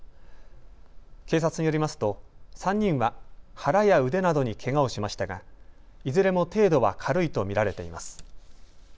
警察によりますと３人は腹や腕などにけがをしましたがいずれも程度は軽いと見られています。